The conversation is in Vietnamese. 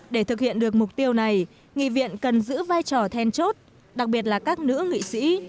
để thực hiện được mục tiêu này nghị viện cần giữ vai trò then chốt đặc biệt là các nữ nghị sĩ